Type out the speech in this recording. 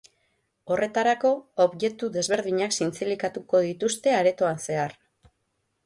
Horretarako, objektu ezberdinak zintzilikatuko dituzte aretoan zehar.